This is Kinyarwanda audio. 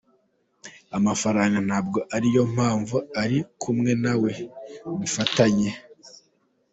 Amafaranga ntabwo ariyo mpamvu uri kumwe nawe, mufatanye.